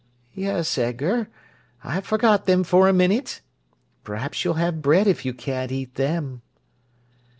"Yes, Edgar. I forgot them for a minute. Perhaps you'll have bread if you can't eat them."